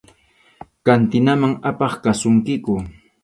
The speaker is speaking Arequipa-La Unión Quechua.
Kantinaman apaq kasunkiku.